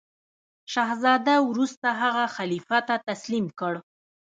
شهزاده وروسته هغه خلیفه ته تسلیم کړ.